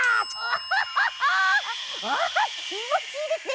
アハッきもちいいですね！